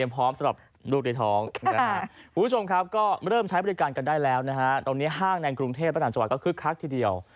ในกรุงเทพฯประหลังจังหวัดก็คลึกคลักทีเดียว